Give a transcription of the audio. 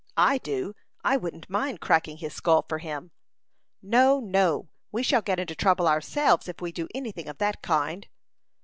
"I do; I wouldn't mind cracking his skull for him." "No, no; we shall get into trouble ourselves if we do any thing of that kind."